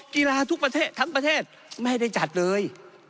กีฬาทุกประเทศทั้งประเทศไม่ได้จัดเลย